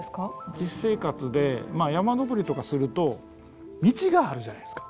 実生活で山登りとかすると道があるじゃないですか。